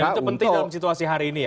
dan itu penting dalam situasi hari ini ya